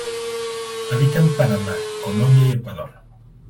Habita en Panamá, Colombia y Ecuador.